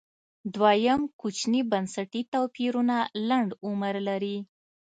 دویم کوچني بنسټي توپیرونه لنډ عمر لري